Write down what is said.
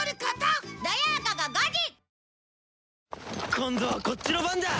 今度はこっちの番だ！